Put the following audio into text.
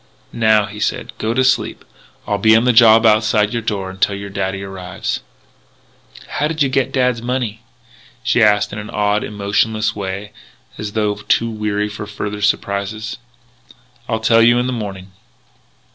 "Now," he said, "go to sleep. I'll be on the job outside your door until your daddy arrives." "How did you get back dad's money?" she asked in an odd, emotionless way as though too weary for further surprises. "I'll tell you in the morning."